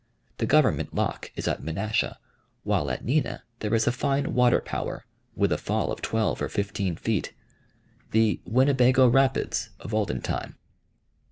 The government lock is at Menasha, while at Neenah there is a fine water power, with a fall of twelve or fifteen feet, the "Winnebago Rapids" of olden time.